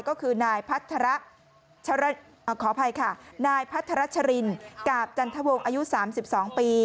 ก็คือนายพัทรชรินจันทรวงอายุ๓๒ปี